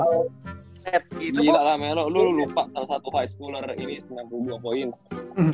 gila lamelo lu lupa salah satu high schooler ini sembilan puluh dua points